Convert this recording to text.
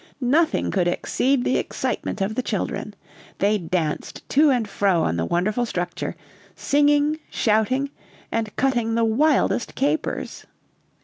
Nothing could exceed the excitement of the children. They danced to and fro on the wonderful structure, singing, shouting, and cutting the wildest capers.